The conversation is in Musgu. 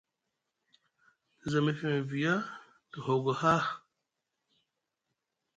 Te za mefeŋ via te hogo haa.